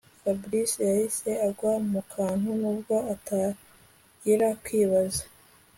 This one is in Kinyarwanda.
Fabric yahise agwa mukantu nuko atangira kwibaza